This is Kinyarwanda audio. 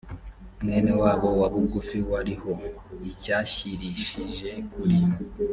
mwene wabo wa bugufi wariho icyashyirishije kuri